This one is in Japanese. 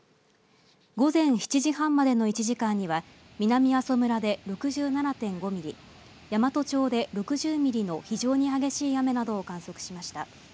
午前７時半までの１時間には南阿蘇村で６７．５ミリ、山都町で６０ミリの非常に激しい雨などを観測しました。